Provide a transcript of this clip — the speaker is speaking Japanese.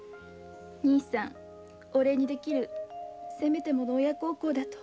兄さんおれにできるせめてもの親孝行だと。